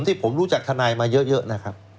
ที่ผมรู้จักทนายมาเยอะนะครับ